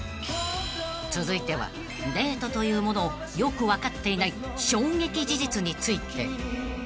［続いてはデートというものをよく分かっていない衝撃事実について］